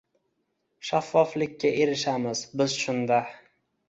Shaffoflikka erishamiz biz shunda.